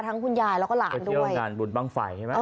ทั้งคุณญาแล้วก็หลานด้วย